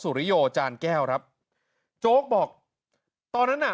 สุริโยรษาณแก้วโจ๊กบอกตอนนั้นนะ